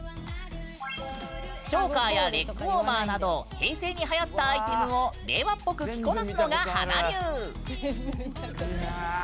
チョーカーやレッグウォーマーなど平成にはやったアイテムを令和っぽく着こなすのが華流。